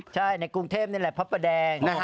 ใช่ในกรุงเทพนี่แหละพระประแดง